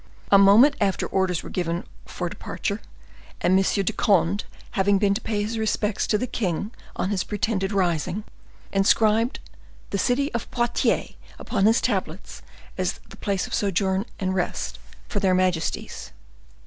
A moment after orders were given for departure, and M. de Conde having been to pay his respects to the king on his pretended rising, inscribed the city of Poitiers upon his tablets, as the place of sojourn and rest for their majesties.